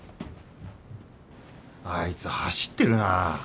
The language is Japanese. あいつ走ってるな。